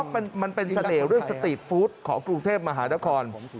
มันเป็นเสน่ห์ด้วยสตรีทฟู้ดของกรุงเทพมหานคร